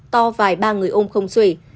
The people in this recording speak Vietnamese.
to vài ba người ôm không xuể